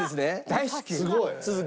大好き！